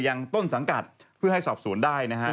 ยังต้นสังกัดเพื่อให้สอบสวนได้นะฮะ